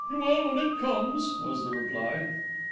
"You will when it comes," was the reply.